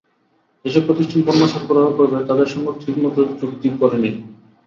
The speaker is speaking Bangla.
যেসব প্রতিষ্ঠান পণ্য সরবরাহ করবে, তাদের সঙ্গে ঠিকমতো চুক্তি করে নিন।